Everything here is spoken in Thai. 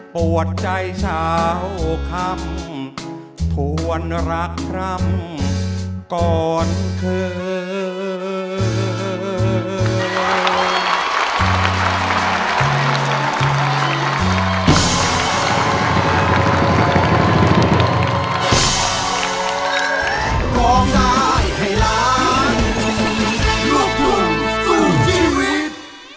ปวดใจสาวคำทวนรักรำก่อนเคย